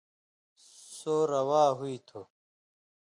سو روا ہُوئ تھُو۔